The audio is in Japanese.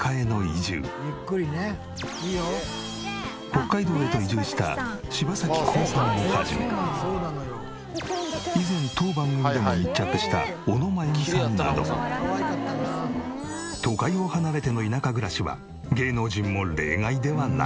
北海道へと移住した柴咲コウさんを始め以前当番組でも密着した小野真弓さんなど都会を離れての田舎暮らしは芸能人も例外ではない。